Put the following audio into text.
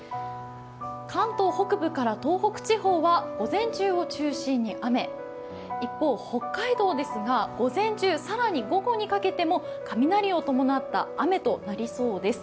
関東北部から東北地方は午前中を中心に雨、一方、北海道ですが午前中、更に午後にかけても雷を伴った雨となりそうです。